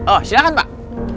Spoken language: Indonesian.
oh silahkan pak